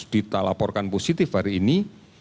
kita laporkan positif hari ini